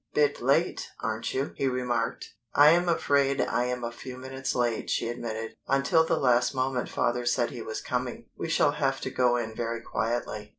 "Bit late, aren't you?" he remarked. "I am afraid I am a few minutes late," she admitted. "Until the last moment father said he was coming. We shall have to go in very quietly."